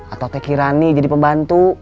atau teki rani jadi pembantu